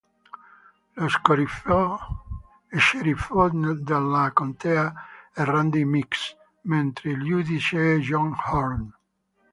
Lo sceriffo della contea è Randy Meeks, mentre il giudice è John Horn.